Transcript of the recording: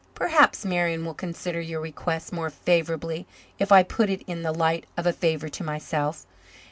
Perhaps Marian will consider your request more favourably if I put it in the light of a favour to myself.